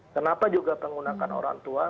kenapa juga penggunakan orang tua